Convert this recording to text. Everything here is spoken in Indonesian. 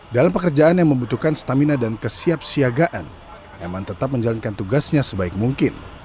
dalam pekerjaan yang membutuhkan stamina dan kesiapsiagaan eman tetap menjalankan tugasnya sebaik mungkin